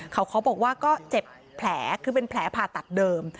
เขาบอกว่าก็เจ็บแผลคือเป็นแผลผ่าตัดเดิม